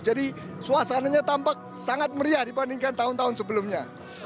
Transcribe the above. jadi suasananya tampak sangat meriah dibandingkan tahun tahun sebelumnya